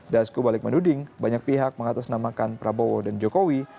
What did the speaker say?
dasko balik menuding banyak pihak mengatasnamakan prabowo dan jokowi